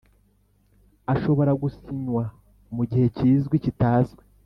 Ashobora gusinywa mu gihe kizwi kitazwi